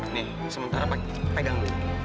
nih sementara pegang dulu